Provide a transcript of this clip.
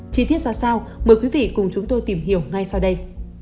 chi tiết ra sao mời quý vị cùng chúng tôi tìm hiểu ngay sau đây